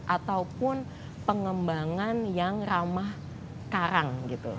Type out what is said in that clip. ataupun pengembangan yang ramah karang gitu